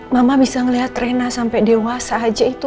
mama bisa melihat rena sampai dewasa aja itu